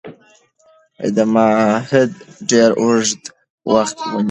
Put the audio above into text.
دا معاهده ډیر اوږد وخت ونیو.